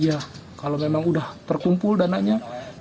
iya kalau memang sudah terkumpul dananya